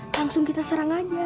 langsung kita serang aja